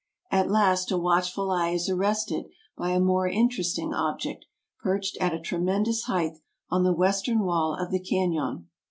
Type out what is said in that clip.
At last a watchful eye is arrested by a more interesting object perched at a tremendous height on the western wall of the canon.